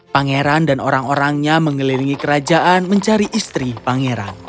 pangeran dan orang orangnya mengelilingi kerajaan mencari istri pangeran